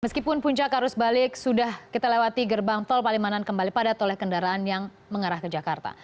meskipun puncak arus balik sudah kita lewati gerbang tol palimanan kembali padat oleh kendaraan yang mengarah ke jakarta